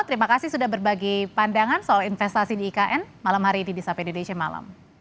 terima kasih sudah berbagi pandangan soal investasi di ikn malam hari ini bisa pddc malam